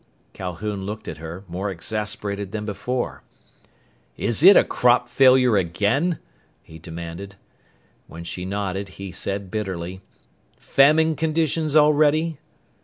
Calhoun looked at her, more exasperated than before. "It is a crop failure again?" he demanded. When she nodded he said bitterly, "Famine conditions already?"